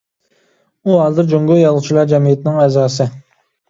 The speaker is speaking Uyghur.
ئۇ ھازىر جۇڭگو يازغۇچىلار جەمئىيىتىنىڭ ئەزاسى.